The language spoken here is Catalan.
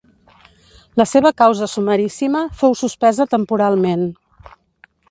La seva causa sumaríssima fou suspesa temporalment.